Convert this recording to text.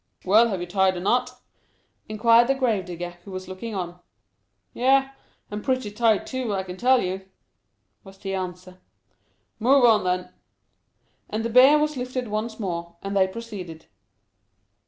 "Well, have you tied the knot?" inquired the grave digger, who was looking on. "Yes, and pretty tight too, I can tell you," was the answer. "Move on, then." And the bier was lifted once more, and they proceeded.